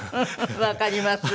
わかります。